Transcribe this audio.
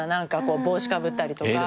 帽子かぶったりとか。